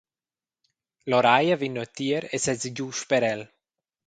Loraia vegn neutier e sesa giu sper el.